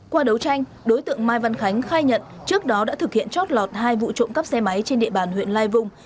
qua đấu tranh đối tượng mai văn khánh khai nhận trước đó đã thực hiện chót lọt hai vụ trộm cắp xe máy trên địa bàn huyện lai vung